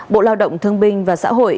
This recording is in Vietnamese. bộ lao động thương binh và xã hội